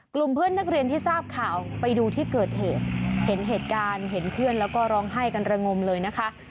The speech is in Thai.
กลุ่มเพื่อนนักเรียนที่ทราบข่าวไปดูที่เกิดเหตุเห็นเหตุการณ์เห็นเพื่อนแล้วก็ร้องไห้กันระงมเลยนะคะ